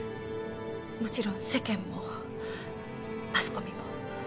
もちろん世間もマスコミも。